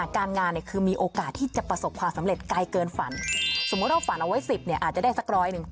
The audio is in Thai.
การงานคือมีโอกาสที่จะประสบความสำเร็จไกลเกินฝันสมมุติเราฝันเอาไว้๑๐อาจจะได้สักร้อยหนึ่ง